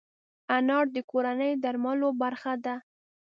انار د کورني درملو برخه ده.